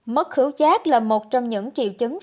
mất khứu chát là một trong những triệu chấn phổ biến